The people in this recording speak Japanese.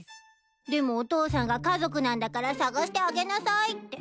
でもお父さんが家族なんだから捜してあげなさいって。